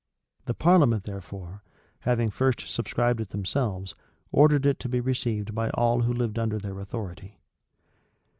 The parliament, therefore, having first subscribed it themselves, ordered it to be received by all who lived under their authority.